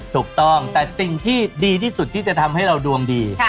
ถูกต้องแต่สิ่งที่ดีที่สุดที่จะทำให้เราดวงดี